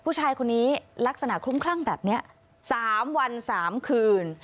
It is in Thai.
ผู้ชายคนนี้ลักษณะคลุ้มคลั่งแบบนี้๓วัน๓คืน